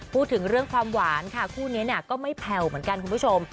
พูดถึงเรื่องความหวานค่ะคู่นี้ก็ไม่แผ่วเหมือนกันคุณผู้ชม